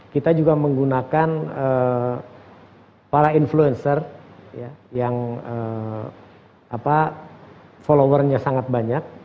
kita juga menggunakan para influencer yang followernya sangat banyak